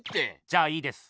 じゃあいいです。